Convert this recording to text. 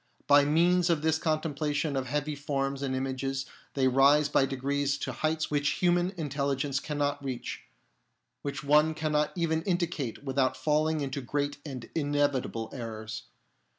By means of this contemplation of heavenly forms and images they rise by degrees to heights which human language cannot reach, which one cannot even indicate without falling into great and inevitable errors.